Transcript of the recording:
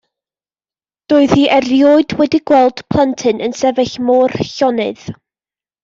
Doedd hi erioed wedi gweld plentyn yn sefyll mor llonydd.